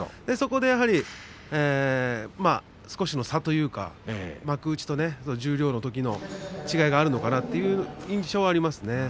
そこでやはり少しの差というか幕内と十両のときの違いがあるのかなという印象がありますね。